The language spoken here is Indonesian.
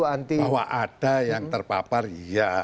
bahwa ada yang terpapar ya